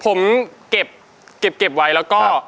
ผมเก็บเก็บไว้แล้วก็